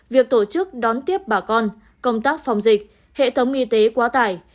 việc tổ chức đón tiếp bà con công tác phòng dịch hệ thống y tế quá tải